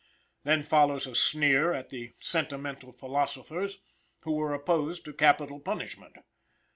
Then follows a sneer at the "sentimental philosophers," who were opposed to capital punishment.